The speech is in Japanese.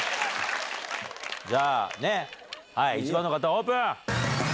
じゃあ１番の方オープン！